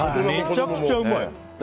めちゃくちゃうまい。